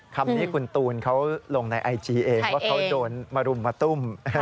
คำนี้คุณตูนเขาลงในไอจีเองว่าเขาโดนมารุมมาตุ้ม